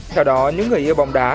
theo đó những người yêu bóng đá